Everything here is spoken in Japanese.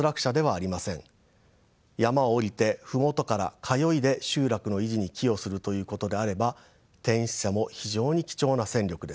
山を下りて麓から通いで集落の維持に寄与するということであれば転出者も非常に貴重な戦力です。